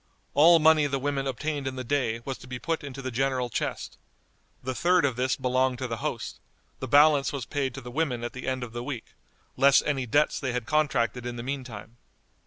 All money the women obtained in the day was to be put into the general chest; the third of this belonged to the host; the balance was paid to the women at the end of the week, less any debts they had contracted in the mean time.